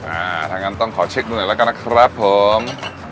อ่าถ้างั้นต้องขอเช็คดูหน่อยแล้วกันนะครับผม